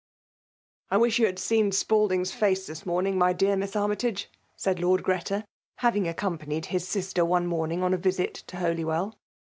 I vrish you had seen Spalding*s face thk morning, my dear Miss Armytage/' said Lend Greta, having accompanied his sister one mom iag on a visit to Holywell.